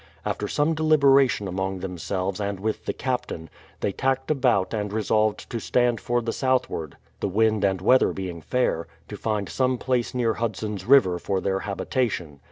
After some deliberation among themselves and with the captain, they tacked about and resolved to stand for the southward, the wind and weather being fair, to find some place near Hudson's River for their habitation.